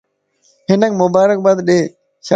ھنک مبارک باد ڏي